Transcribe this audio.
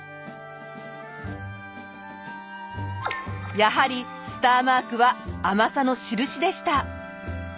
やはりスターマークは甘さの印でした！